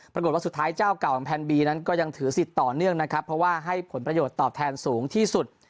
ปรากฏว่าสุดท้ายเจ้าเก่าของแพนบีนั้นก็ยังถือสิทธิ์ต่อเนื่องนะครับเพราะว่าให้ผลประโยชน์ตอบแทนสูงที่สุด